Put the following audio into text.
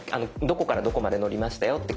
どこからどこまで乗りましたよって